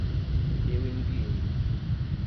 Eu enviei